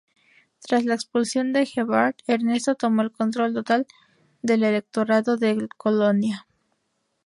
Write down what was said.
Tras la expulsión de Gebhard, Ernesto tomó el control total del Electorado del Colonia.